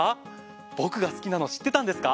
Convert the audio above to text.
僕が好きなの知ってたんですか？